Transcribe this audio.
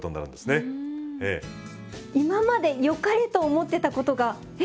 今までよかれと思ってたことがえ